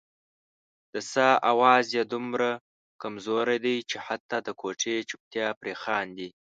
د ساه اواز یې دومره کمزوری دی چې حتا د کوټې چوپتیا پرې خاندي.